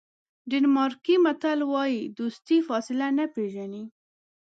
ډنمارکي متل وایي دوستي فاصله نه پیژني.